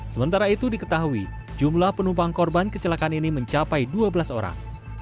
sementara itu diketahui jumlah penumpang korban kecelakaan ini mencapai dua belas orang